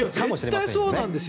絶対にそうなんですよ。